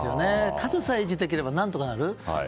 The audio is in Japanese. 数さえ維持できればなんとかできる。